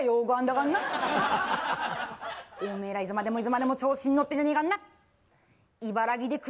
おめえらいつまでもいつまでも調子んのってんじゃねぇかんな！